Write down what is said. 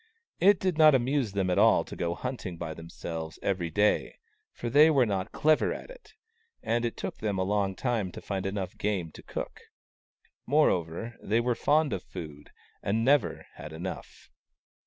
It did not amuse them at all to go hunting by themselves every day, for they were not clever at it, and it took them a long time to find enough game to cook. Moreover, they were fond of food, and never had enough.